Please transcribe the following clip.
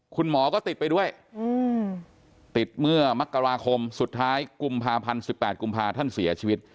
คุณหมอก็ติดไปด้วยติดเมื่อมกราคมสุดท้ายกุมภาพันธ์๑๘กุมภาท่านเสียชีวิต